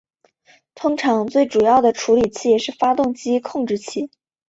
通常最主要的处理器是发动机控制器。